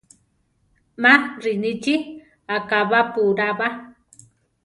Ma rinichí akabápura ba.